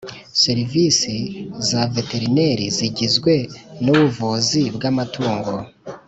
Serivisi za veterineri zigizwe nubuvuzi bwamatungo